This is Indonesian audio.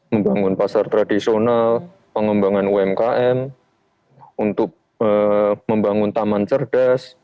membangun pasar tradisional pengembangan umkm untuk membangun taman cerdas